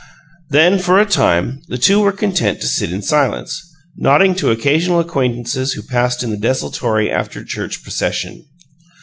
Then, for a time, the two were content to sit in silence, nodding to occasional acquaintances who passed in the desultory after church procession.